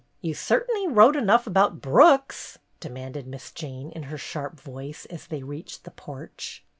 You cert'n'y wrote enough about Brooks," demanded Miss Jane in her sharp voice, as they reached the porch.